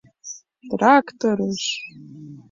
— Тракторыш!